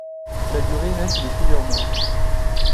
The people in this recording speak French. La durée reste de plusieurs mois.